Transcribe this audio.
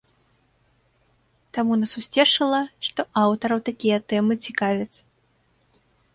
Таму нас усцешыла, што аўтараў такія тэмы цікавяць.